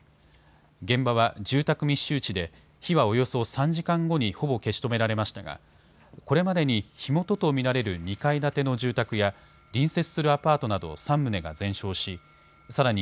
現場は住宅密集地で火はおよそ３時間後にほぼ消し止められましたがこれまでに火元と見られる２階建ての住宅や隣接するアパートなど３棟が全焼しさらに